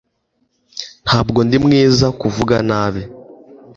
Ntabwo ndi mwiza kuvuga nabi.